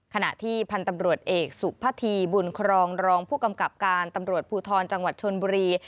ขณะที่พันธุ์ตำรวจเอกสุพธีบุญครองรองผู้กำกับการตำรวจภูทรจังหวัดชนบุรี